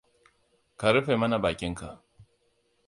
Ka rufe mana bakinka.